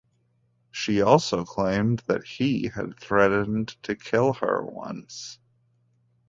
She also claimed that he had threatened to kill her once.